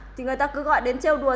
thì người ta cứ gọi đến treo đùa